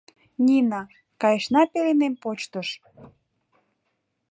— Нина, кайышна пеленем почтыш!